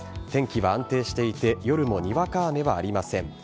天気は安定していて夜もにわか雨はありません。